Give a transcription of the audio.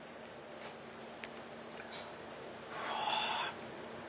うわ！